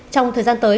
trong thời gian tới